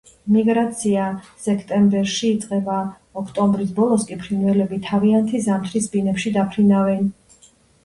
მიგრაცია სექტემბერში იწყება, ოქტომბრის ბოლოს კი ფრინველები თავიანთ ზამთრის ბინებში დაფრინავენ.